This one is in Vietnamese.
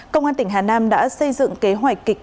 công an tỉnh hà nam đã xây dựng kế hoạch kịch